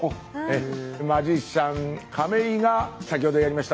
マジシャン亀井が先ほどやりました